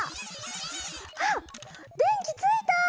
あっ電気ついた！